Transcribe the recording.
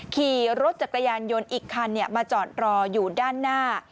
ขี่รถจักรยานยนต์อีกคันมาจอดรออยู่ด้านหน้า